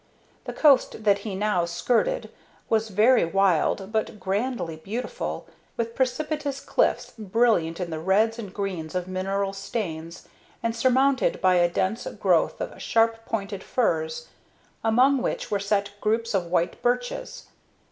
The coast that he now skirted was very wild but grandly beautiful, with precipitous cliffs brilliant in the reds and greens of mineral stains, and surmounted by a dense growth of sharp pointed firs, among which were set groups of white birches.